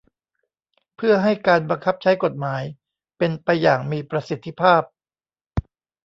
เพื่อให้การบังคับใช้กฎหมายเป็นไปอย่างมีประสิทธิภาพ